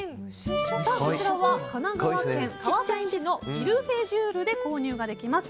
こちらは神奈川県川崎市のイルフェジュールで購入ができます。